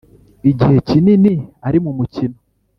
igihe kinini ari mu mukiro